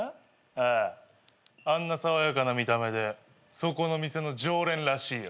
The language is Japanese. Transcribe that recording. あああんな爽やかな見た目でそこの店の常連らしいよ。